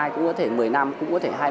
cũng có thể một mươi năm cũng có thể hai